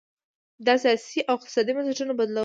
د سیاسي او اقتصادي بنسټونو بدلول و.